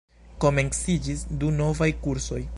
Komenciĝis du novaj kursoj.